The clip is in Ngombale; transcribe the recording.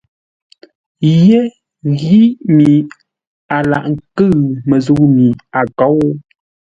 Yé ghíʼ mi a laghʼ ńkʉ̂ʉ məzə̂u mi a kôu.